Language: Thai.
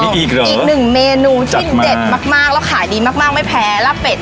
นี่อีกเหรออีกหนึ่งเมนูที่เด็ดมากมากแล้วขายดีมากมากไม่แพ้ล่าเป็ด